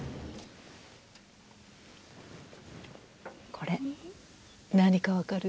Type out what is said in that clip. これ何か分かる？